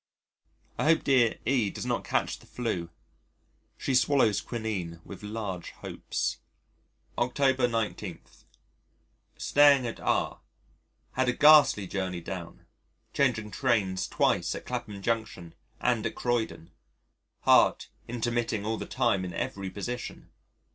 I hope dear E does not catch the 'flu. She swallows quinine with large hopes. October 19. Staying at R . Had a ghastly journey down, changing trains twice at Clapham Junction and at Croydon, heart intermitting all the time in every position.